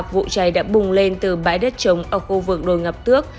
vụ cháy đã bùng lên từ bãi đất trống ở khu vực đồi ngập tước